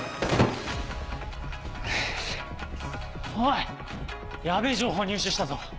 おいやべぇ情報入手したぞ